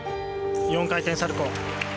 ４回転サルコウ。